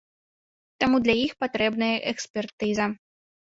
Таму для іх патрэбная экспертыза.